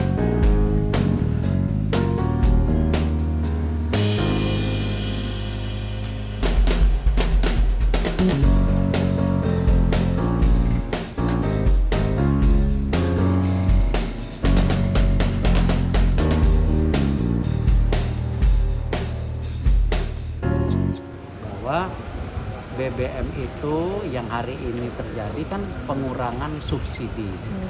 bahwa bbm itu yang hari ini terjadi kan pengurangan subsidi